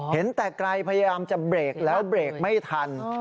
เห็นแต่ไกลพยายามจะเบรกแล้วเบรกไม่ทัน